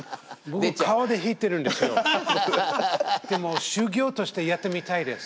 でも修行としてやってみたいです。